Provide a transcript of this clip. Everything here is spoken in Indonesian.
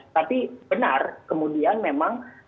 tapi benar kemudian memang